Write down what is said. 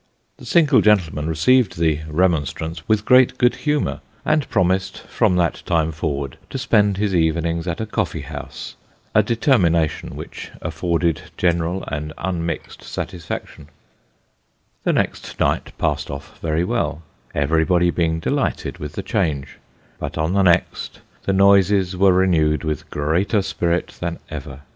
The single gentleman received the remonstrance with great good humour, and promised from that time forward, to spend his evenings at a coffee house a determination which afforded general and unmixed satis faction The next night passed off very well, everybody being delighted with the change ; but on the next, the noises were renewed with greater spirit than ever.